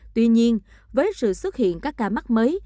tuy nhiên với sự xuất hiện các ca mắc mới